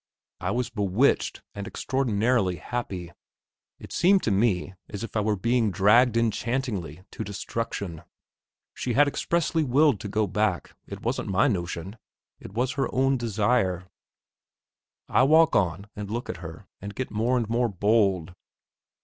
I was bewitched and extraordinarily happy. It seemed to me as if I were being dragged enchantingly to destruction. She had expressly willed to go back; it wasn't my notion, it was her own desire. I walk on and look at her, and get more and more bold.